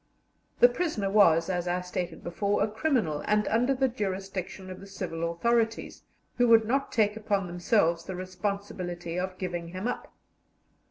The prisoner was, as I stated before, a criminal, and under the jurisdiction of the civil authorities, who would not take upon themselves the responsibility of giving him up.